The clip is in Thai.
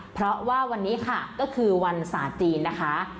เพราะว่าวันนี้ค่ะก็คือวันศาสตร์จีนนะคะ